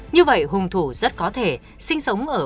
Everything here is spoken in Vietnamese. như vậy hung thủ rất có thể sinh sống ở khu vực lân cận